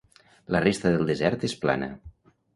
La resta del desert és plana.